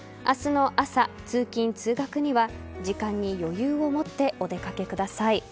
明日の朝通勤、通学には時間に余裕を持ってお出かけください。